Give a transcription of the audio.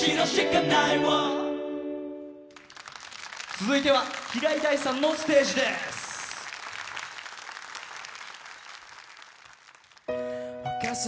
続いては、平井大さんのステージです。